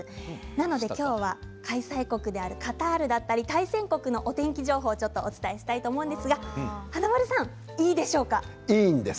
なので今日は開催国であるカタールだったり対戦国のお天気情報をお伝えしたいと思うんですが川平慈英のものまねいいんです！